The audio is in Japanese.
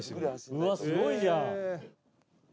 うわすごいじゃん。